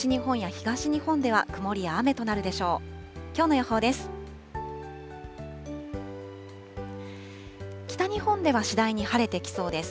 北日本では次第に晴れてきそうです。